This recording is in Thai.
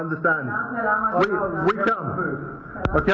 โอเคเราจะมา